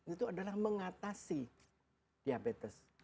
itu adalah mengatasi diabetes